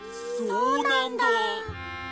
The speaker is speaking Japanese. そうなんだ。